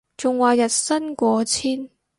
仲話日薪過千